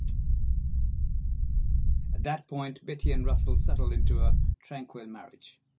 At that point, Betty and Russell settled into a tranquil marriage.